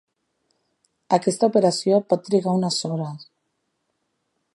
Aquesta operació pot trigar unes hores.